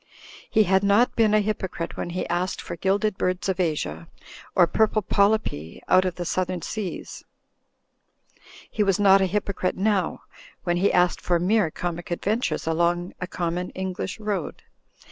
He had not been a hypocrite when he asked for gilded birds of Asia or purple pol)rpi out of the Southern Seas ; he was not a h)rpocrite now, when he asked for mer^ comic adventures along a common English road.